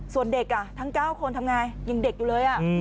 ส่วนเด็กทั้ง๙คนทำไงยังเด็กอยู่เลย